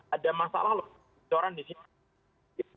ada masalah kebocoran di sini